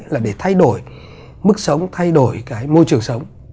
là để thay đổi mức sống thay đổi cái môi trường sống